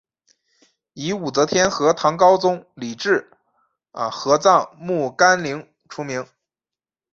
以武则天和唐高宗李治合葬墓干陵出名。